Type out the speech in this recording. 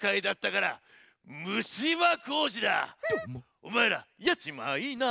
おまえらやっちまいな。